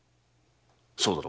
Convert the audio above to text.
そうだろ？